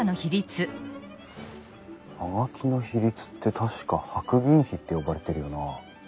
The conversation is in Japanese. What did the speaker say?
葉書の比率って確か白銀比って呼ばれてるよなあ。